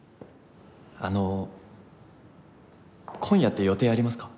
あの今夜って予定ありますか？